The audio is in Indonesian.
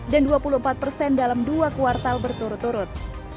dan dua puluh empat dalam dua kuartal berturut turut